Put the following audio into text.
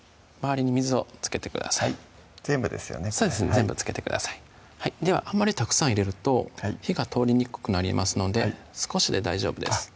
全部付けてくださいではあまりたくさん入れると火が通りにくくなりますので少しで大丈夫ですあっ